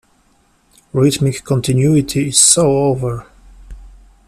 Rhythmic continuity is so over.